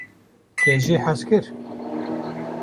Te jê hez kir?